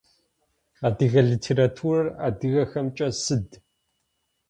Адыгэ литературэр адыгэхэмкӏэ сыд?